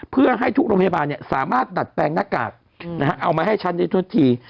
เพื่อให้ทุกโรงพยาบาลสามารถดัดแปลงหน้ากากเอามาให้ฉันได้ทดที